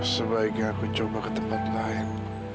sebaiknya aku coba ke tempat lain